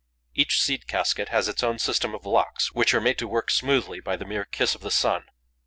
Each seed casket has its own system of locks, which are made to work smoothly by the mere kiss of the sun.